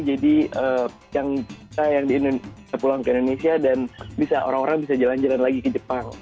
jadi kita yang pulang ke indonesia dan orang orang bisa jalan jalan lagi ke jepang